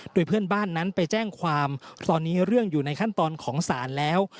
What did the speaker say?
โดยเพื่อนบ้านนั้นไปแจ้งความตอนนี้เรื่องอยู่ในขั้นตอนของศาลแล้ว